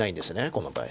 この場合。